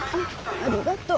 ありがとう。